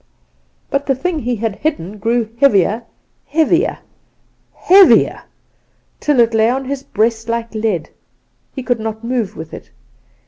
"But the thing he had hidden grew heavier, heavier, heavier till it lay on his breast like lead. He could not move with it.